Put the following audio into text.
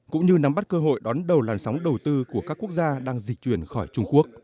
cũng như nắm bắt cơ hội đón đầu làn sóng đầu tư của các quốc gia đang dịch chuyển khỏi trung quốc